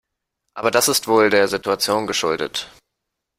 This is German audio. Aber das ist wohl der Situation geschuldet.